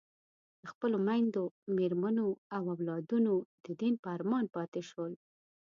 د خپلو میندو، مېرمنو او اولادونو د دیدن په ارمان پاتې شول.